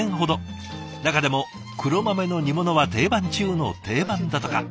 中でも黒豆の煮物は定番中の定番だとか。